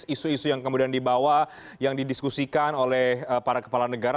isu isu yang kemudian dibawa yang didiskusikan oleh para kepala negara